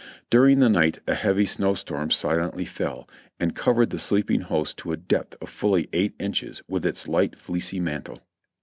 During the night a heavy snow storm silently fell, and covered the sleeping host to a depth of fully eight inches with its light, fieecy mantle.